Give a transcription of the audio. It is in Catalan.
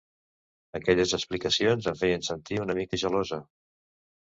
Aquelles explicacions em feien sentir una mica gelosa.